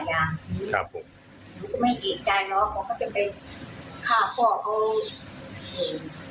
ไม่เสียใจเนอะเพราะเขาจะไปข้าวพ่อเขา